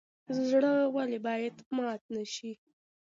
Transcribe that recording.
زړه ولې باید مات نشي؟